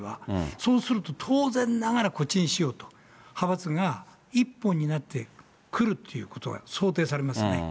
そうすると当然ながらこっちにしようと派閥が一本になってくるっていうことが想定されますよね。